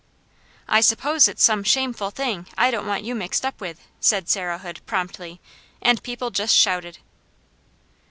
"I suppose it's some shameful thing I don't want you mixed up with!" said Sarah Hood promptly, and people just shouted.